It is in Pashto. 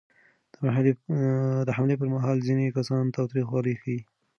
د حملې پر مهال ځینې کسان تاوتریخوالی ښيي.